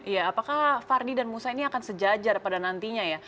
ya apakah fardi dan musa ini akan sejajar pada nantinya ya